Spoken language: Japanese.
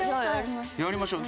やりましょう。